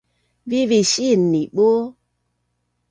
vivi siin nibu